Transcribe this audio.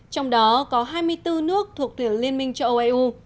trong đó có hai mươi bốn nước thuộc tuyển liên minh châu âu eu